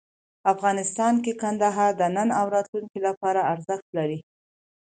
افغانستان کې کندهار د نن او راتلونکي لپاره ارزښت لري.